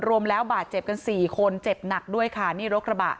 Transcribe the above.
รวมแล้วบาดเจ็บกันสี่คนเจ็บหนักด้วยค่ะนี่รถกระบะ